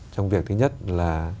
trong việc thứ nhất là